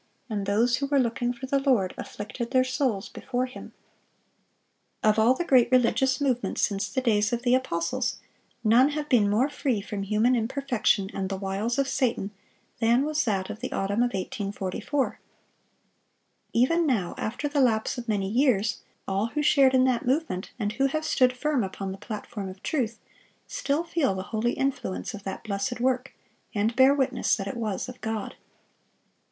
and those who were looking for the Lord afflicted their souls before Him."(657) Of all the great religious movements since the days of the apostles, none have been more free from human imperfection and the wiles of Satan than was that of the autumn of 1844. Even now, after the lapse of many years, all who shared in that movement and who have stood firm upon the platform of truth, still feel the holy influence of that blessed work, and bear witness that it was of God.